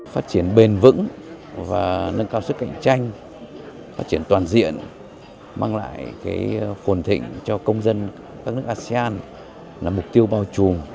phát triển bền vững và nâng cao sức cạnh tranh phát triển toàn diện mang lại phồn thịnh cho công dân các nước asean là mục tiêu bao trùm